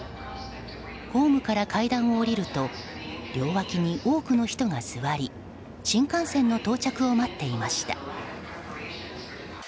ホームから階段を下りると両脇に多くの人が座り新幹線の到着を待っていました。